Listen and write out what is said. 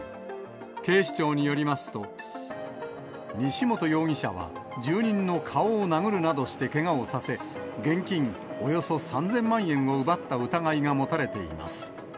警視庁によりますと、西本容疑者は住人の顔を殴るなどしてけがをさせ、現金およそ３０００万円を奪った疑いが持たれています。